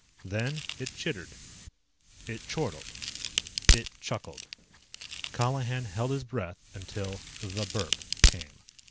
Then it chittered. It chortled. It chuckled. Colihan held his breath until the BURP came.